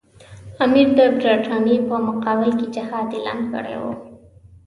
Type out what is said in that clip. امیر د برټانیې په مقابل کې جهاد اعلان کړی وو.